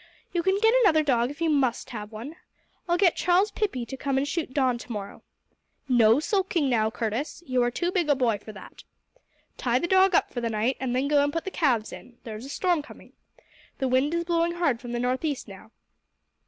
You can get another dog if you must have one. I'll get Charles Pippey to come and shoot Don tomorrow. No sulking now, Curtis. You are too big a boy for that. Tie the dog up for the night and then go and put the calves in. There is a storm coming. The wind is blowing hard from the northeast now."